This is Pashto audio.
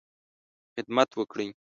خدمت وکړې.